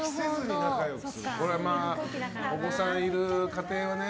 これはお子さんいる家庭はね。